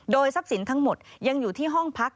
ทรัพย์สินทั้งหมดยังอยู่ที่ห้องพัก